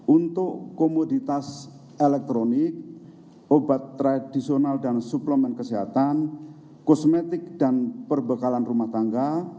untuk komoditas elektronik obat tradisional dan suplemen kesehatan kosmetik dan perbekalan rumah tangga